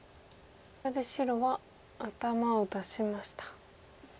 これで白は頭を出しました。